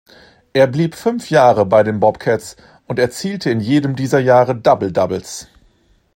Er blieb fünf Jahre bei den Bobcats und erzielte in jedem dieser Jahre Double-Doubles.